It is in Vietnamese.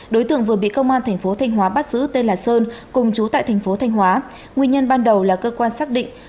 đối tượng vừa bị công an tp thành hóa bắt giữ tên là sơn cùng chú tại tp thành hóa nguyên nhân ban đầu là cơ quan xác định